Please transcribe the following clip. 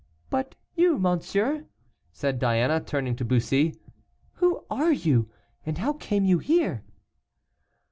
"But you, monsieur," said Diana, turning to Bussy, "who are you, and how came you here?"